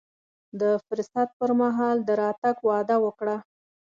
د فرصت پر مهال د راتګ وعده وکړه.